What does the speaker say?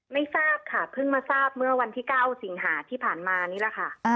ไม่ทราบค่ะเพิ่งมาทราบเมื่อวันที่๙สิงหาที่ผ่านมานี่แหละค่ะ